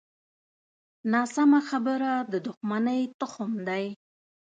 ناسمه خبره د دوښمنۍ تخم دی